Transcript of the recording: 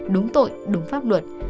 đúng tội đúng pháp luật